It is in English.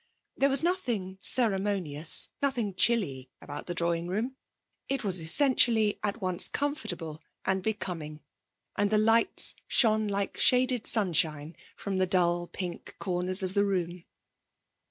There was nothing ceremonious, nothing chilly, about the drawing room; it was essentially at once comfortable and becoming, and the lights shone like shaded sunshine from the dull pink corners of the room.